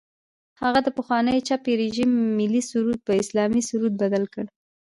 هغه د پخواني چپي رژیم ملي سرود په اسلامي سرود بدل کړي.